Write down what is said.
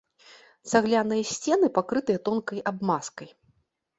Цагляныя сцены пакрытыя тонкай абмазкай.